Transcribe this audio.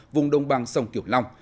vùng đồng bằng sông kiểu long